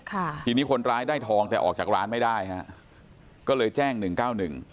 ค่ะทีนี้คนร้ายได้ทองแต่ออกจากร้านไม่ได้ฮะก็เลยแจ้งหนึ่งเก้าหนึ่ง